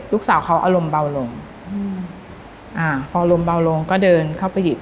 ลูกสาวเขาอารมณ์เบาลงอืมอ่าพออารมณ์เบาลงก็เดินเข้าไปหยิบ